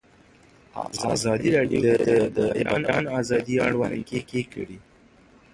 ازادي راډیو د د بیان آزادي اړوند مرکې کړي.